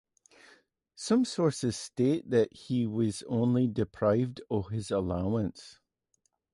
Some sources state that he was only deprived of his allowance.